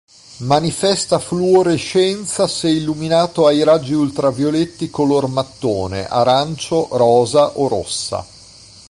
Manifesta fluorescenza se illuminato ai raggi ultravioletti color mattone, arancio, rosa o rossa.